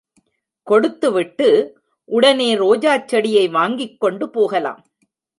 கொடுத்து விட்டு, உடனே ரோஜாச் செடியை வாங்கிக்கொண்டு போகலாம்.